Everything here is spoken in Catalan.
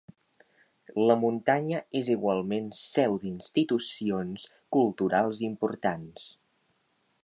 La muntanya és igualment seu d'institucions culturals importants.